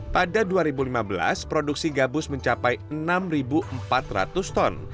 pada dua ribu lima belas produksi gabus mencapai enam empat ratus ton